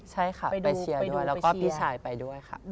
ใช่ค่ะไปเชียร์ด้วยแล้วก็พี่ชายไปด้วยค่ะ